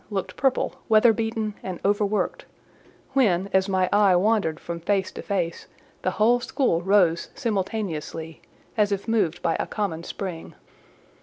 looked purple, weather beaten, and over worked—when, as my eye wandered from face to face, the whole school rose simultaneously, as if moved by a common spring.